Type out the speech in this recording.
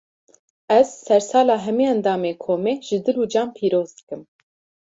Ez, sersala hemî endamên komê, ji dil û can pîroz dikim